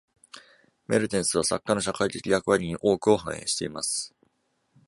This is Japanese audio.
メルテンスは作家の社会的役割に多くを反映しています。